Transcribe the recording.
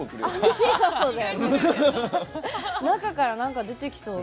中からなんか出てきそうな。